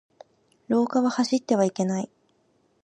廊下は走ってはいけない。